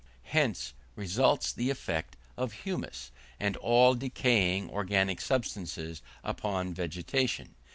Hence results the effects of humus, and all decaying organic substances, upon vegetation.